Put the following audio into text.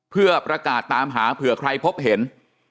เพื่อประกาศตามหาเผื่อใครพบเห็น